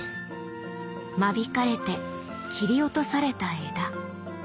間引かれて切り落とされた枝。